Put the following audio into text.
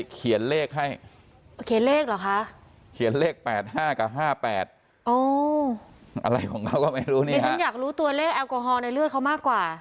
นี่ฉันอยากรู้ตัวเลขแอลกอฮอล์ในเลือดเขามากกว่า